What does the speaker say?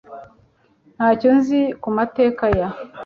Ntacyo nzi ku mateka ya